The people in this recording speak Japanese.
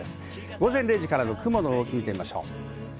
午前０時からの雲の動き、見てみましょう。